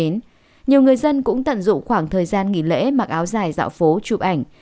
nhiều người dân cũng tận dụng khoảng thời gian nghỉ lễ mặc áo dài dạo phố chụp ảnh